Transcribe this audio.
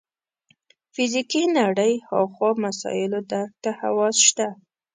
فزیکي نړۍ هاخوا مسایلو درک ته حواس شته.